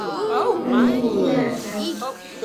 والليل إذا عسعس